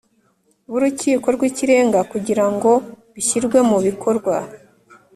b Urukiko rw Ikirenga kugira ngo bishyirwe mubikorwa